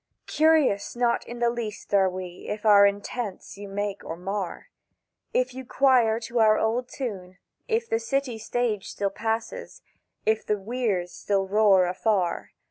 "Curious not the least are we if our intents you make or mar, If you quire to our old tune, If the City stage still passes, if the weirs still roar afar."